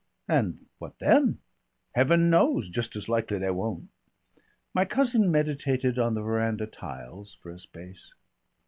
"And what then?" "Heaven knows! Just as likely they won't." My cousin meditated on the veranda tiles for a space.